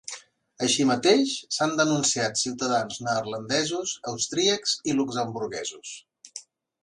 Així mateix, s’han denunciat ciutadans neerlandesos, austríacs i luxemburguesos.